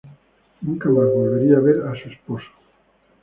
Nunca más volvería a ver a su esposo.